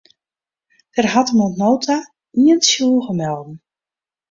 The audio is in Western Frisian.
Der hat him oant no ta ien tsjûge melden.